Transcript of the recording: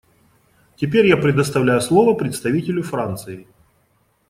Теперь я предоставляю слово представителю Франции.